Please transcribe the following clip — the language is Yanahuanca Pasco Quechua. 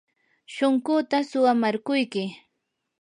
shunquuta suwamarquyki.